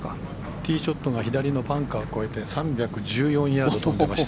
ティーショットが左のバンカー越えて３１４ヤード飛んでいました。